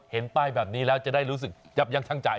เห็นป้ายแบบนี้แล้วจะได้รู้สึกยับยั่งชั่งใจ